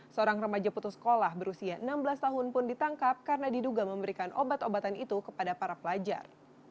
seorang remaja putus sekolah berusia enam belas tahun pun ditangkap karena diduga memberikan obat obatan itu kepada para pelajar